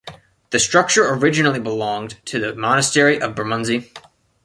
The structure originally belonged to the Monastery of Bermondsey.